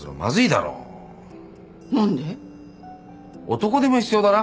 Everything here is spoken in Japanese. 男手も必要だな。